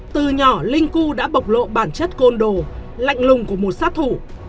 từ nhỏ linh cu đã bộc lộ bản chất côn đồ lạnh lùng của một sát thủ